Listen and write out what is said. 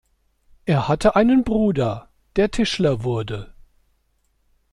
Er hatte einen Bruder, der Tischler wurde.